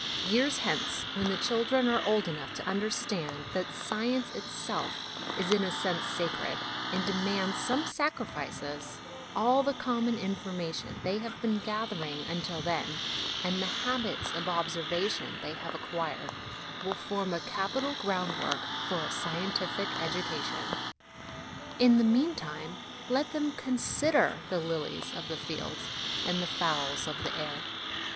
Years hence, when the children are old enough to under stand that science itself is in a sense sacred and demands some sacrifices, all the 'common informa tion' they have been gathering until then, and the habits of observation they have acquired, will form a capital groundwork for a scientific education. In the meantime, let them consider the lilies of the field and the fowls of the air.